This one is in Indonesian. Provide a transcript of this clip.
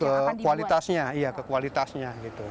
kekualitasnya iya kekualitasnya